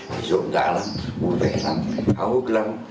thì rộng rã lắm vui vẻ lắm khá hước lắm